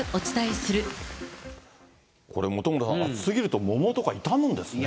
これ、本村さん、暑すぎると桃とか傷むんですね。